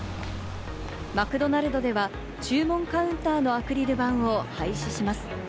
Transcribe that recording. マクドナルドでは注文カウンターのアクリル板を廃止します。